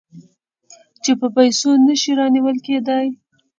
چې په پیسو نه شي رانیول کېدای.